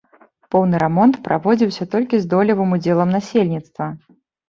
Поўны рамонт праводзіўся толькі з долевым удзелам насельніцтва.